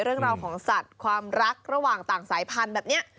เรื่องราวของสัตว์ความรักระหว่างต่างสายพันธุ์แบบนี้